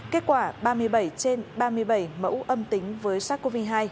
kết quả ba mươi bảy trên ba mươi bảy mẫu âm tính với sars cov hai